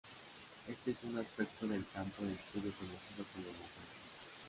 Este es un aspecto del campo de estudio conocido como mosaico.